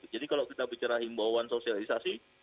jadi kalau kita bicara himbauan sosialisasi